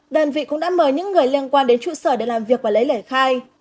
đơn vị cũng đã mời những người liên quan đến trụ sở để làm việc và lấy lời khai